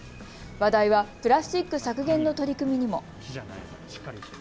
話題はプラスチック削減の取り組みにも。